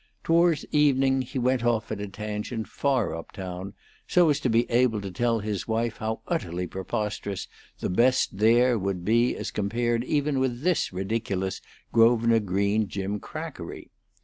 Toward evening he went off at a tangent far up town, so as to be able to tell his wife how utterly preposterous the best there would be as compared even with this ridiculous Grosvenor Green gimcrackery.